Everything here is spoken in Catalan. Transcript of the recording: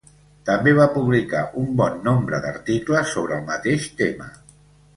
També va publicar un bon nombre d'articles sobre el mateix tema.